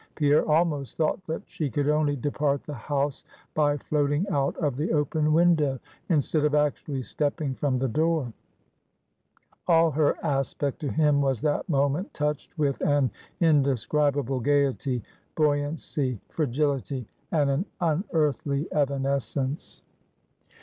Pierre almost thought that she could only depart the house by floating out of the open window, instead of actually stepping from the door. All her aspect to him, was that moment touched with an indescribable gayety, buoyancy, fragility, and an unearthly evanescence.